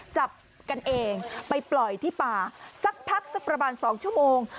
จับกันเองไปปล่อยที่ป่าสักพักสักประมาณ๒ชั่วโมง